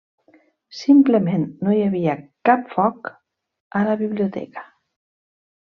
Simplement no hi havia cap foc a la biblioteca.